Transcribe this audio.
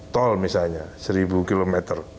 tol misalnya satu km